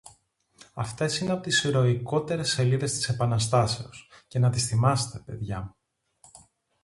Αυτές είναι από τις ηρωικότερες σελίδες της Επαναστάσεως, και να τις θυμάστε, παιδιά μου